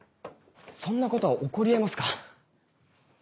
そんなことは起こり得ますか？